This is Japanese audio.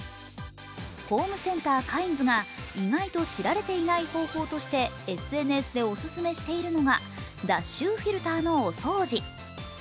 ホームセンター・カインズが意外と知られていない方法としてＳＮＳでおすすめしているのが脱臭フィルターのお掃除。